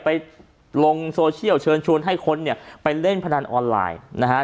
ไปลงโซเชียลเชิญชวนให้คนเนี่ยไปเล่นพนันออนไลน์นะฮะ